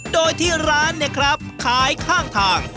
โดยที่ร้านเนี่ยครับขายข้างทาง